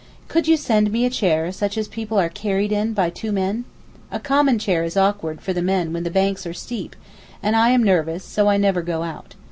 Could you send me a chair such as people are carried in by two men? A common chair is awkward for the men when the banks are steep, and I am nervous, so I never go out.